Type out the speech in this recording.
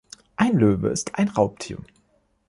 Ein Löwe ist ein Raubtier.